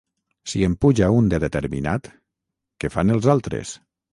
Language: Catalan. Si en puja un de determinat, què fan els altres?